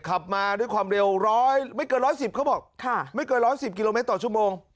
ขับมาด้วยความเร็วไม่เกินร้อยสิบเขาบอกไม่เกินร้อยสิบกิโลเมตรต่อชั่วโมง